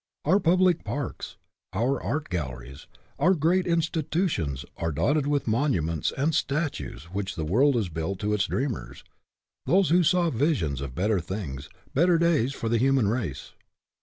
Our public parks, our art galleries, our great institutions are dotted with monuments and statues which the world has built to its dreamers, those who saw visions of better things, better days for the human race.